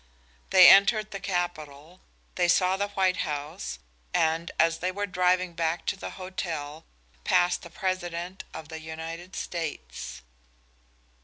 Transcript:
They entered the Capitol; they saw the White House, and, as they were driving back to the hotel, passed the President of the United States.